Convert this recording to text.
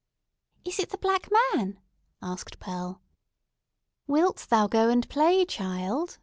"Is it the Black Man?" asked Pearl. "Wilt thou go and play, child?"